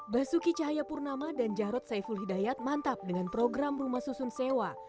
masuki cahaya purnama dan jarod saiful hidayat mantap dengan program rumah susun sewa